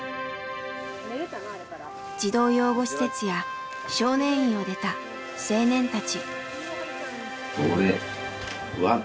児童養護施設や少年院を出た青年たち。